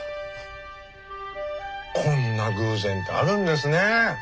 こんな偶然てあるんですねえ。